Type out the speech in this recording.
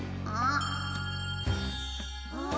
あ！